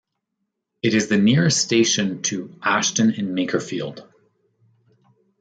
It is the nearest station to Ashton-in-Makerfield.